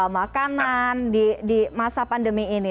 makanan di masa pandemi ini